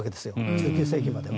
１９世紀までは。